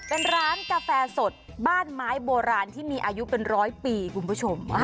เป็นร้านกาแฟสดบ้านไม้โบราณที่มีอายุเป็นร้อยปีคุณผู้ชม